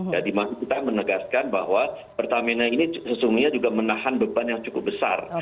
jadi kita menegaskan bahwa pertamina ini sesungguhnya juga menahan beban yang cukup besar